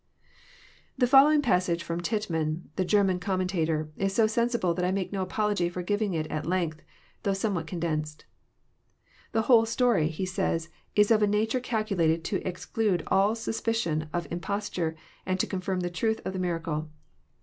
The following passage from Tittman, the German Commenta tor, is so sensible that I make no apology for giving it at length, though somewhat condensed: *'The whole story,'* he says, *Ms of a nature calculated to exclude all suspicion of imposture, and to confirm the truth of the miracle.